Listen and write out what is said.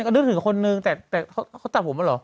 นี่ก็นึกถึงคนหนึ่งแต่เขาตัดผมหรอ